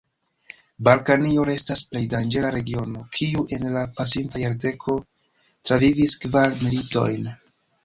Balkanio restas plej danĝera regiono, kiu en la pasinta jardeko travivis kvar militojn.